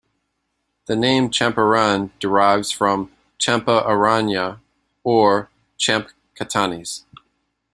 The name Champaran derives from "Champa-aranya" or "Champkatanys".